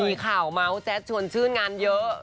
มีข่าวเมาส์แจ๊ดชวนชื่นงานเยอะ